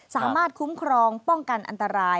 สามารถคุ้มครองป้องกันอันตราย